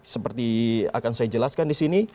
seperti akan saya jelaskan di sini